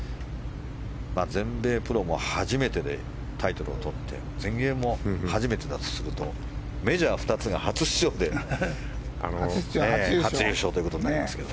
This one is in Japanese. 全米プロも初めてでタイトルを取って全英も初めてだとするとメジャー２つが初出場で初優勝ということになりますけど。